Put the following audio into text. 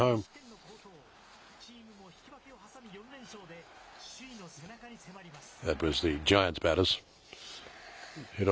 チームも引き分けを挟み４連勝で、首位の背中に迫ります。